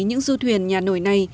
những du thuyền nhà nổi này